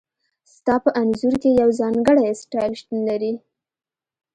ستا په انځور کې یو ځانګړی سټایل شتون لري